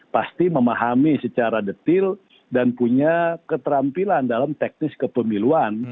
pasti memahami secara detail dan punya keterampilan dalam teknis kepemiluan